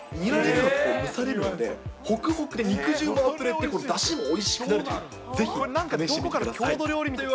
蒸されるので、ほくほくで肉汁もあふれて、だしがおいしくなるという。